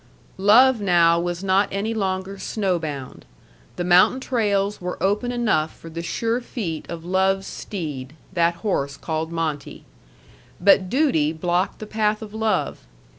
Love now was not any longer snowbound. The mountain trails were open enough for the sure feet of love's steed that horse called Monte. But duty blocked the path of love.